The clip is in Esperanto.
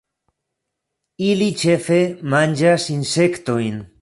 Ili ĉefe manĝas insektojn.